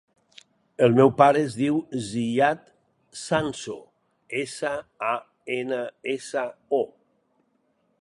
El meu pare es diu Ziyad Sanso: essa, a, ena, essa, o.